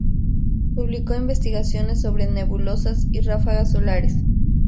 Publicó investigaciones sobre nebulosas y ráfagas solares.